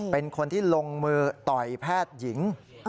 เป็นคนที่ลงมือต่อยแพทย์หญิง